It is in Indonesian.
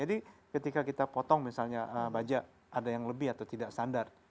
jadi ketika kita potong misalnya baja ada yang lebih atau tidak standar